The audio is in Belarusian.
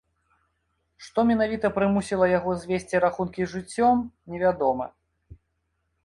Што менавіта прымусіла яго звесці рахункі з жыццём, невядома.